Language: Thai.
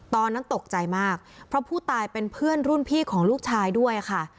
ตอนนั้นตกใจมากเพราะผู้ตายเป็นเพื่อนรุ่นพี่ของลูกชายด้วยค่ะ